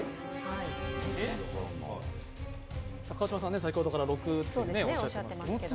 川島さん、先ほどから６とおっしゃっていますけど。